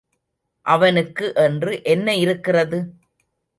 அவனுக்கு என்று என்ன இருக்கிறது?